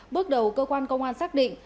bước đầu cơ quan công an xác định